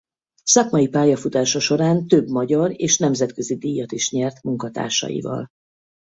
Szakmai pályafutása során több magyar és nemzetközi díjat is nyert munkatársaival.